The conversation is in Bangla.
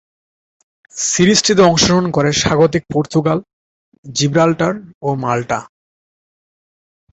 সিরিজটিতে অংশগ্রহণ করে স্বাগতিক পর্তুগাল, জিব্রাল্টার ও মাল্টা।